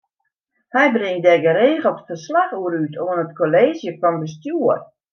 Hy bringt dêr geregeld ferslach oer út oan it Kolleezje fan Bestjoer.